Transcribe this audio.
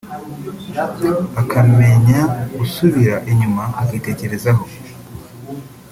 akamenya gusubira inyuma akitekerezaho